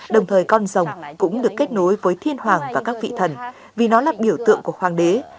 đồng thời con rồng cũng được kết nối với thiên hoàng và các vị thần vì nó là biểu tượng của hoàng đế